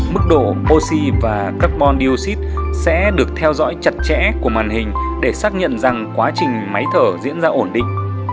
mức độ oxy và carbon dioxide sẽ được theo dõi chặt chẽ của màn hình để xác nhận rằng quá trình máy thở diễn ra ổn định